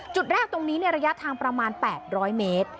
จุดแรกตรงนี้ระยะทางประมาณ๘๐๐เมตร